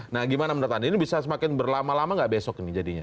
nah gimana menurut anda ini bisa semakin berlama lama nggak besok ini jadinya